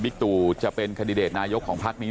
มิด์ตูจะเป็นคาดิเดทนายกของภาคนี้